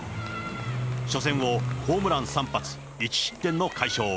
初戦をホームラン３発、１失点の快勝。